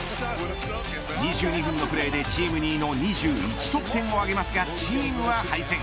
２２分のプレーでチーム２位の２１得点を挙げますがチームは敗戦。